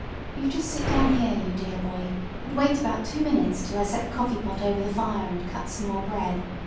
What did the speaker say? "You just sit down here, you dear boy, and wait about two minutes till I set the coffee pot over the fire and cut some more bread.